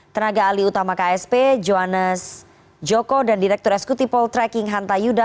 tenaga ali utama ksp johannes joko dan direktur eskutipol trekking hanta yuda